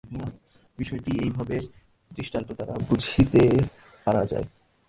বিষয়টি এইভাবে দৃষ্টান্ত দ্বারা বুঝাইতে পারা যায়।